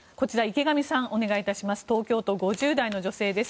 池上さん、お願いします。